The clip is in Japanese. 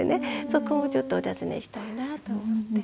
そこもちょっとお尋ねしたいなあと思って。